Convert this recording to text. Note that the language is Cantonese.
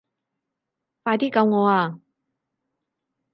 快啲救我啊